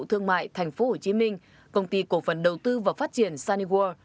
thương mại thành phố hồ chí minh công ty cổ phần đầu tư và phát triển sunnyworld